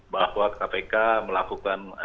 bahwa kpk melakukan